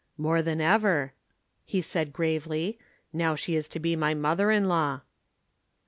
"More than ever," he said gravely, "now she is to be my mother in law."